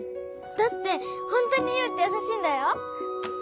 だってほんとにユウってやさしいんだよ。